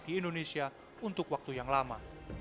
di indonesia untuk waktu yang lama